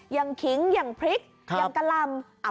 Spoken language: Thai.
ขิงอย่างพริกอย่างกะลำ